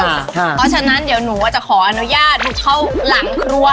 เพราะฉะนั้นเดี๋ยวหนูจะขออนุญาตบุกเข้าหลังครัว